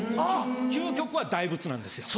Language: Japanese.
究極は大仏なんですよ。